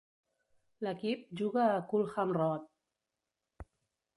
L'equip juga a Culham Road.